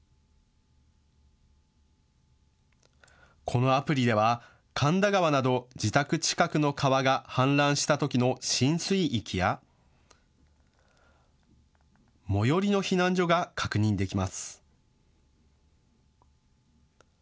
このアプリでは神田川など自宅近くの川が氾濫したときの浸水域や最寄りの避難所が確認できます。